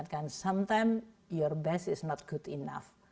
kadang kadang yang terbaik tidak cukup baik